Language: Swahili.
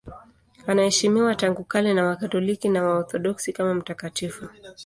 Anaheshimiwa tangu kale na Wakatoliki na Waorthodoksi kama mtakatifu.